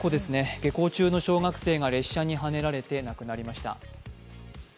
下校中の小学生が列車にはねられて亡くなりました。